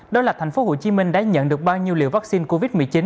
đó là thành phố hồ chí minh đã nhận được bao nhiêu liệu vaccine covid một mươi chín